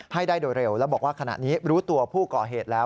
ให้ได้โดยเร็วแล้วบอกว่าขณะนี้รู้ตัวผู้ก่อเหตุแล้ว